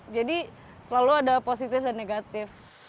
jadi selalu ada positif dan negatif